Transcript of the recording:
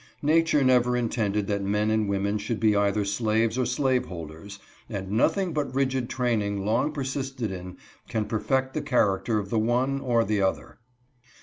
Nature never intended that men and women should be either slaves or slaveholders, and nothing but rigid train ing long persisted in, can perfect the character of the one or the other.